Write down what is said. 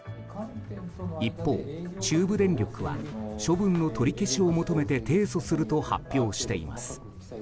一方、中部電力は処分の取り消しを求めて提訴すると発表しています。